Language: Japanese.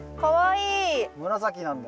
紫なんだ。